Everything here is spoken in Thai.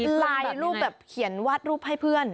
เป็นลายรูปแบบเขียนวาดรูปให้เพื่อน